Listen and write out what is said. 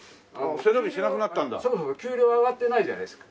そもそも給料が上がってないじゃないですか。